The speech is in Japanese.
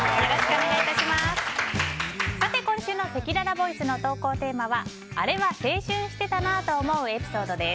今週のせきららボイスの投稿テーマはあれは青春してたなぁと思うエピソードです。